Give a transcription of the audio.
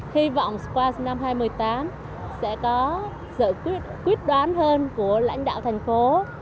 hy vọng qua năm hai nghìn một mươi tám sẽ có giải quyết quyết đoán hơn của lãnh đạo thành phố